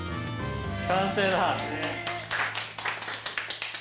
完成だ！